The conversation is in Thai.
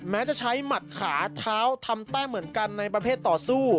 แม้จะใช้หมัดขาเท้าทำแต้มเหมือนกันในประเภทต่อสู้